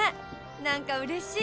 何かうれしい。